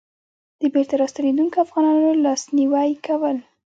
د بېرته راستنېدونکو افغانانو لاسنيوی کول.